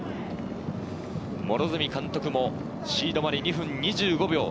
両角監督もシードまで２分２５秒。